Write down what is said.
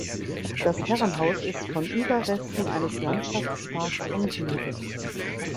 Das Herrenhaus ist von Überresten eines Landschaftsparks umgeben.